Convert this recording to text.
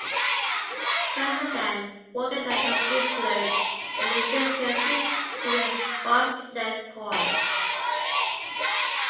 Rather than walking down the steep slope, many visitors use the human bobsled course.